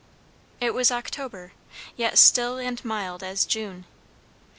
It was October, yet still and mild as June.